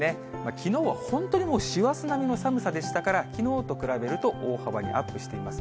きのうは本当にもう師走並みの寒さでしたから、きのうと比べると大幅にアップしています。